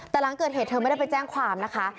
แต่หลังเกิดเหตุเธอไม่ได้ไปแจ้งความนะคะ